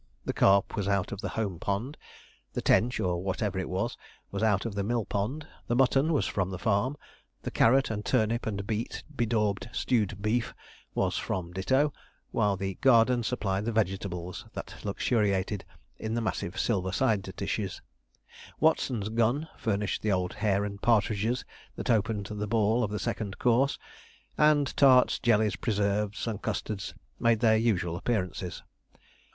The carp was out of the home pond; the tench, or whatever it was, was out of the mill pond; the mutton was from the farm; the carrot and turnip and beet bedaubed stewed beef was from ditto; while the garden supplied the vegetables that luxuriated in the massive silver side dishes. Watson's gun furnished the old hare and partridges that opened the ball of the second course; and tarts, jellies, preserves, and custards made their usual appearances.